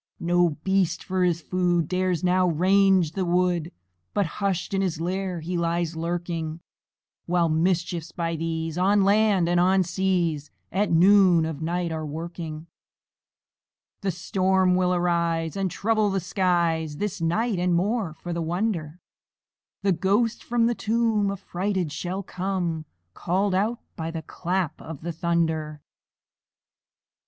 No beast, for his food, Dares now range the wood, But hush'd in his lair he lies lurking; While mischiefs, by these, On land and on seas, At noon of night are a working. The storm will arise, And trouble the skies This night; and, more for the wonder, The ghost from the tomb Affrighted shall come, Call'd out by the clap of the thunder.